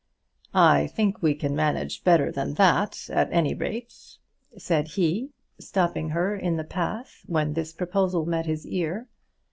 "I think we can manage better than that, at any rate," said he, stopping her in the path when this proposal met his ear.